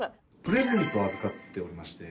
プレゼントを預かっておりまして。